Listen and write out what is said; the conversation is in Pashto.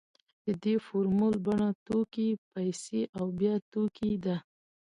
د دې فورمول بڼه توکي پیسې او بیا توکي ده